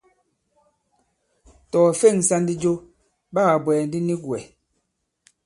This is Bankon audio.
Tɔ̀ ɔ̀ fe᷇ŋsā ndi jo, ɓa kà bwɛ̀ɛ̀ ndi nik wɛ̀.